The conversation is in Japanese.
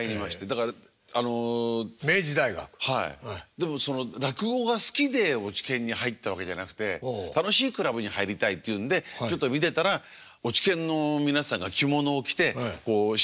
でもその落語が好きで落研に入ったわけじゃなくて楽しいクラブに入りたいっていうんでちょっと見てたら落研の皆さんが着物を着て新入生の勧誘をしてるんですよ。